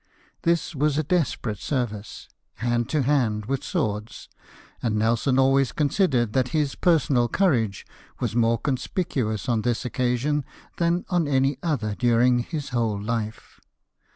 This was a desper ate service — hand to hand with swords : and Nelson always considered that his personal courage was more conspicuous on this occasion than on any other during his whole life.